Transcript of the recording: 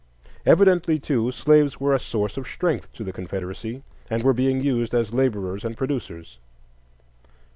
Evidently, too, slaves were a source of strength to the Confederacy, and were being used as laborers and producers.